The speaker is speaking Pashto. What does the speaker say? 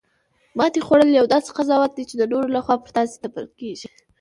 ماتې خوړل یو داسې قضاوت دی چې د نورو لخوا پر تاسې تپل کیږي